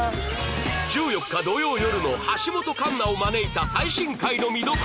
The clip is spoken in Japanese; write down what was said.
１４日土曜よるの橋本環奈を招いた最新回の見どころも